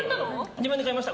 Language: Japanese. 自分で買いました。